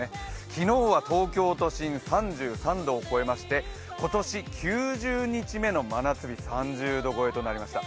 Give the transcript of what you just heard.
昨日は東京都心、３３度を超えまして今年９０日目の真夏日、３０度超えとなりました。